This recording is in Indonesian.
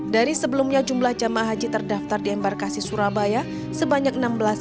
dari sebelumnya jumlah jemaah haji terdaftar di embarkasi surabaya sebanyak enam belas